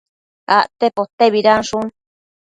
acte potebidanshun